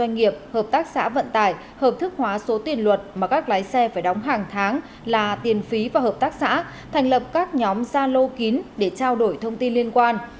doanh nghiệp hợp tác xã vận tải hợp thức hóa số tiền luật mà các lái xe phải đóng hàng tháng là tiền phí và hợp tác xã thành lập các nhóm gia lô kín để trao đổi thông tin liên quan